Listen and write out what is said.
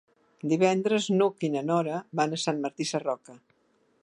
Divendres n'Hug i na Nora van a Sant Martí Sarroca.